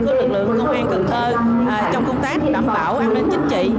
của lực lượng công an cần thơ trong công tác đảm bảo an ninh chính trị